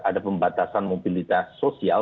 ada pembatasan mobilitas sosial